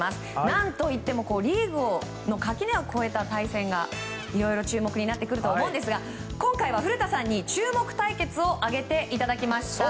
何といってもリーグの垣根を越えた対戦がいろいろ注目されますが今回は古田さんに注目対決を挙げていただきました。